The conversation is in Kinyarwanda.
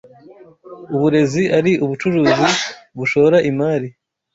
uburezi ari ubucuruzi bushora imari